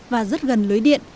và rất gần lưới điện